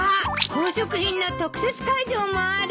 宝飾品の特設会場もある。